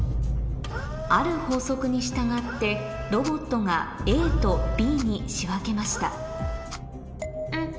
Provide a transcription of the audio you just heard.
ある法則に従ってロボットがＡとＢに仕分けましたん？